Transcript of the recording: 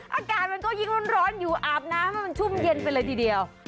อาการมันก็ยิ่งหรอนนะอาบน้ำชุ่มเย็นไปเลยทีเดียว